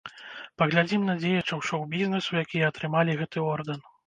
Паглядзім на дзеячаў шоў-бізнесу, якія атрымалі гэты ордэн.